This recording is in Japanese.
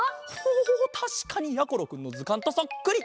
おたしかにやころくんのずかんとそっくり！